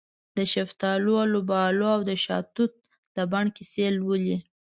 دشفتالو، الوبالواودشاه توت د بڼ کیسې لولې